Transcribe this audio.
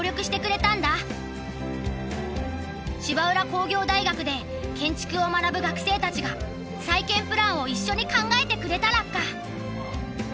芝浦工業大学で建築を学ぶ学生たちが再建プランを一緒に考えてくれたラッカ。